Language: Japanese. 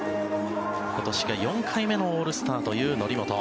今年で４回目のオールスターという則本。